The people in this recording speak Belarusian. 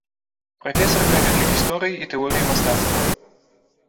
Прафесар кафедры гісторыі і тэорыі мастацтваў.